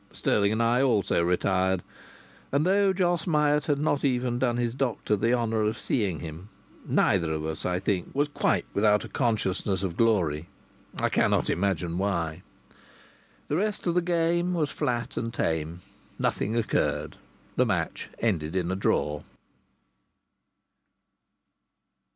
Stirling and I also retired; and though Jos Myatt had not even done his doctor the honour of seeing him, neither of us, I think, was quite without a consciousness of glory: I cannot imagine why. The rest of the game was flat and tame. Nothing occurred. The match ended in a draw.